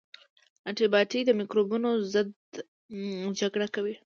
انټي باډي د مکروبونو ضد جګړه کوي